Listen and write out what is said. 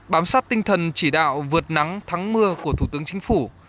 bám sát tinh thần chỉ đạo vượt nắng thắng mưa của thủ tướng chính phủ